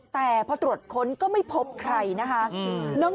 แต่พอตรวจค้นก็ไม่พบใครนะคะ